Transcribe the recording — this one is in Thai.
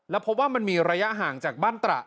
แล้วพบว่ามันมีระยะห่างจากบ้านตระ